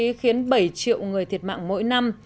sẽ khiến bảy triệu người thiệt mạng mỗi năm